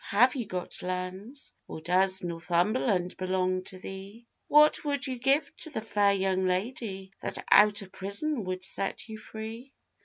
have you got lands? Or does Northumberland belong to thee? What would you give to the fair young lady That out of prison would set you free?